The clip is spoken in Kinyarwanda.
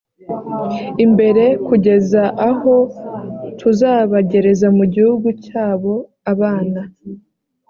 imbere kugeza aho tuzabagereza mu gihugu cyabo abana